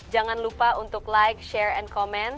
jangan lupa untuk like share dan komen